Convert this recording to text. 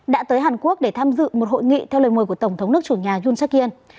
đã tới hàn quốc để tham dự một hội nghị theo lời mời của tổng thống nước chủ nhà yoon seok in